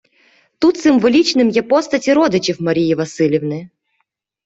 Тут символічними є постаті родичів Марії Василівни.